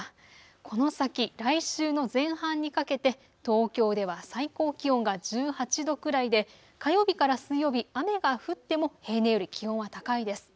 この先、来週の前半にかけて東京では最高気温が１８度くらいで火曜日から水曜日、雨が降っても平年より気温は高いです。